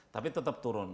tapi tetap turun